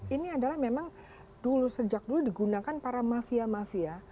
ini adalah memang dulu sejak dulu digunakan para mafia mafia